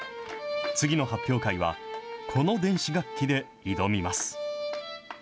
次の発表会は、この電子楽器で挑みます。